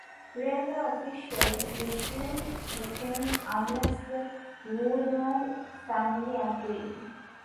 Railway officials refused the change unless the Woodard family agreed.